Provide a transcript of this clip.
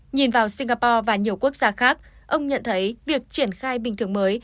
nhìn vào singapore và nhiều quốc gia khác ông nhận thấy việc triển khai bình thường mới